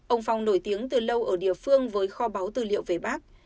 ông phong nổi tiếng từ lâu ở địa phương với kho báu tư liệu về bác